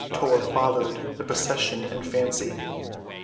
Tor followed the procession in fancy.